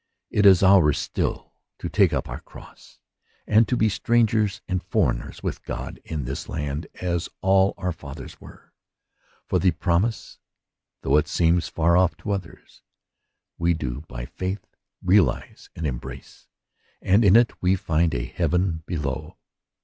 It is ours still to take up our cross, and to be strangers and foreigners with God in this land, as all our fathers were ; for the promise, though it seems far off to others, we do, by faith, realize and embrace, and in it we find a heaven below.